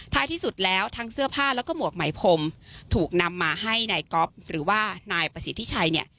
ที่สุดแล้วทั้งเสื้อผ้าแล้วก็หมวกไหมพรมถูกนำมาให้นายก๊อฟหรือว่านายประสิทธิชัยเนี่ย